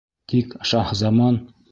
Тик Шаһзаман: